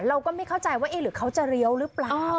เราก็ไม่เข้าใจว่าเอ๊ะหรือเขาจะเลี้ยวหรือเปล่า